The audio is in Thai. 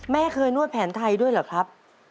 แม่เคยนวดแผนไทยด้วยเหรอครับ